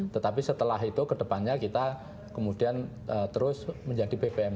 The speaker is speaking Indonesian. tetapi setelah itu kedepannya kita kemudian terus menjadi bpm